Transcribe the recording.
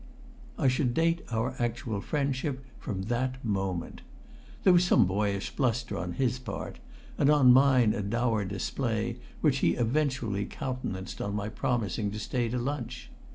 I should date our actual friendship from that moment. There was some boyish bluster on his part, and on mine a dour display which he eventually countenanced on my promising to stay to lunch.